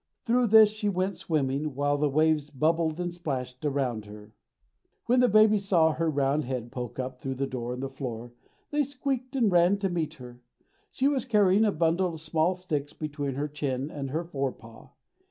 Through this she went swimming, while the waves bubbled and splashed around her. When the babies saw her round head poke up through the door in the floor they squeaked and ran to meet her. She was carrying a bundle of small sticks between her chin and her fore paw.